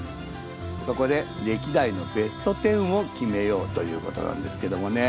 そこで歴代のベスト１０を決めようということなんですけどもね。